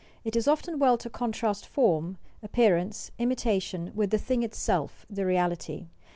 _ It is often well to contrast form, appearance, imitation, with the thing itself, the reality.